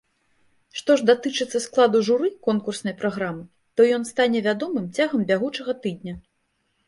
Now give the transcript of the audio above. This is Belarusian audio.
Што ж датычыцца складу журы конкурснай праграмы, то ён стане вядомым цягам бягучага тыдня.